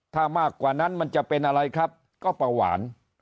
ถ้ามากกว่านั้นมันจะเป็นอะไรครับก็เบาหวาน